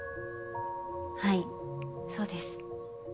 はいそうです。